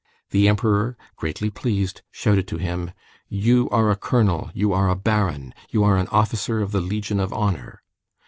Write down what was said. The Emperor, greatly pleased, shouted to him: "You are a colonel, you are a baron, you are an officer of the Legion of Honor!"